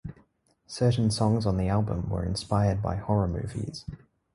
Certain songs on the album were inspired by horror movies.